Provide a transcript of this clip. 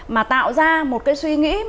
mà tạo ra một cái suy nghĩ